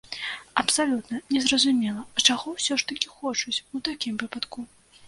Абсалютна не зразумела, а чаго ўсё ж такі хочуць у такім выпадку?